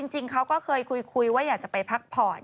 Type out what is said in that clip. จริงเขาก็เคยคุยว่าอยากจะไปพักผ่อน